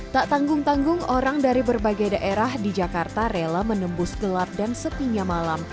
tak tanggung tanggung orang dari berbagai daerah di jakarta rela menembus gelap dan sepinya malam